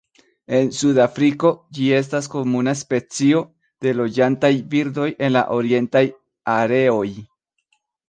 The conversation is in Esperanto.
En suda Afriko ĝi estas komuna specio de loĝantaj birdoj en la orientaj areoj.